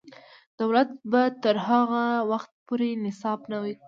دولت به تر هغه وخته پورې نصاب نوی کوي.